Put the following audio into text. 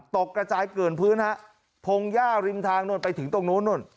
ตกกระจายเกินพื้นพงหญ้าริมทางไปถึงตรงนู้นนู่น